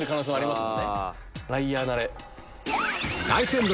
ライアー慣れ。